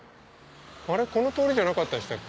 この通りじゃなかったでしたっけ？